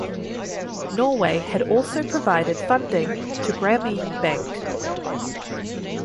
Norway had also provided funding to Grameen Bank.